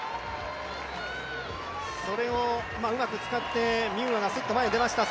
それをうまく使ってミューアが前に出ました。